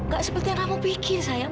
gak seperti yang kamu bikin sayang